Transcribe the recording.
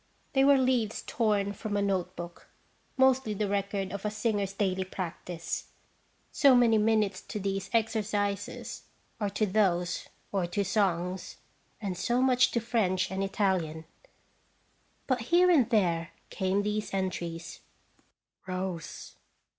They were leaves torn from a note book, mostly the record of a singer's daily practice; so many ilje Eteafc JDeafc?" 297 minutes to these exercises or to those, or to songs, and so much time to French and Italian. But here and there came these entries : Rose